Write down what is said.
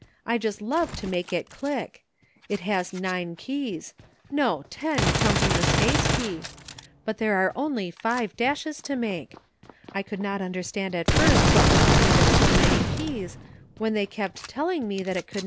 I just love to make it click. It has nine keys — no, ten, counting the space key — but there are only five dashes to make. I could not under stand at first what was the need of so many keys, when they kept telling me that it could 264 LEARNING.